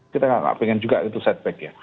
kita tidak ingin juga itu setback ya